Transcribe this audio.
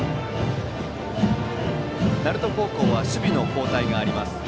鳴門高校は守備の交代があります。